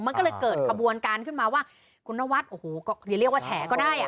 มันก็เลยเกิดขบวนการขึ้นมาว่าคุณนวัดโอ้โหเรียกว่าแฉก็ได้